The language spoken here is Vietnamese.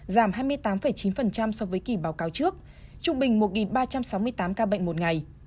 giảm hai mươi tám chín so với kỳ báo cáo trước trung bình một ba trăm sáu mươi tám ca bệnh một ngày